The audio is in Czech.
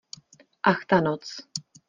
Ach ta noc!